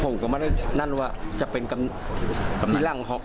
ผมก็ไม่ได้นั่นว่าจะเป็นกำหนัง